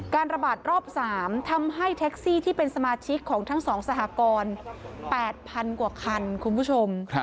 ระบาดรอบ๓ทำให้แท็กซี่ที่เป็นสมาชิกของทั้ง๒สหกร๘๐๐๐กว่าคันคุณผู้ชม